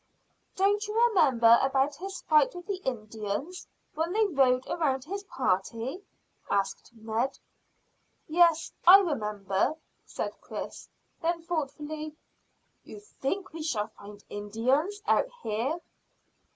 "Don't you remember about his fight with the Indians, when they rode round his party?" asked Ned. "Yes, I remember," said Chris. Then thoughtfully, "You think we shall find Indians out here?"